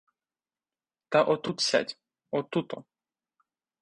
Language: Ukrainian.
Та отут сядь, отут-о!